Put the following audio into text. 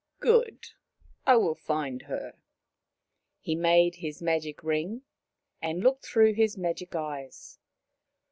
" Good. I will find her." He made his magic ring and looked through his magic eyes.